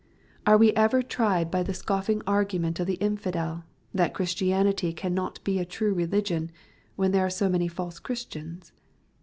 Are we ever tried by the scoffing argument of the infidel, that Christianity can not be a true religion, when there are so many false Christians